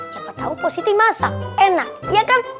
siapa tau positif masak enak iya kan